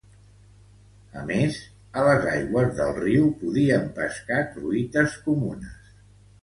A més, a les aigües del riu podien pescar truites comunes.